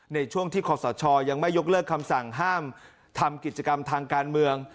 ในช่วงที่ขอสชยังไม่ยกเลิกคำสั่งห้ามทำกิจกรรมทางการเมือง